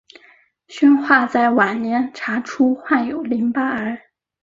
宣化在晚年查出患有淋巴癌。